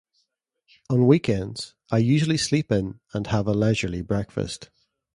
On weekends, I usually sleep in and have a leisurely breakfast.